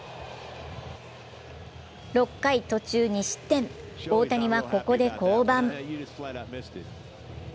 ６回途中２失点、大谷はここで降板。